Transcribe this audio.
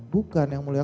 bukan yang mulia